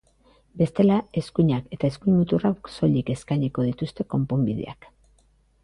Bestela eskuinak, eta eskuin muturrak soilik eskainiko dituzte konponbideak.